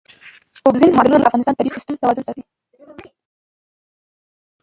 اوبزین معدنونه د افغانستان د طبعي سیسټم توازن ساتي.